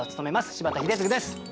柴田英嗣です。